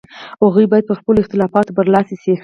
هغوی باید پر خپلو اختلافاتو برلاسي شي.